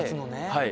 はい。